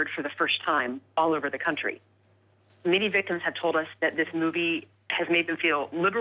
เปื่อส่งราชภูมิ